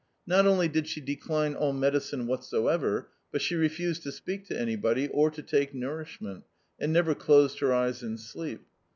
Not only did she decline all medicine whatsoever, but she refused to speak to anybody or to take nourishment, and never closed her eyes in sleep.